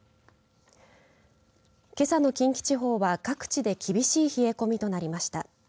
けさの近畿地方は各地で厳しい冷え込みとなりました。